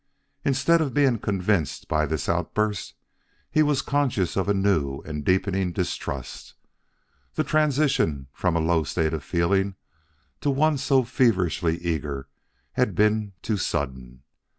Instead of being convinced by this outburst, he was conscious of a new and deepening distrust. The transition from a low state of feeling to one so feverishly eager had been too sudden.